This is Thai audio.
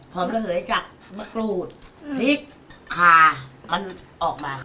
หอมระเหยจากมะกรูดพริกผ่ามันออกมา